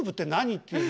っていうね